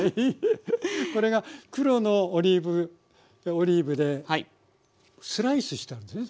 これが黒のオリーブでスライスしてあるんですね？